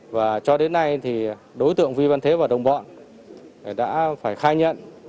và cho đến nay thì đối tượng vi văn thế và đồng bọn đã phải khai nhận